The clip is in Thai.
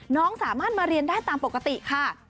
น้องสามารถมาเรียนได้ตามปกติค่ะ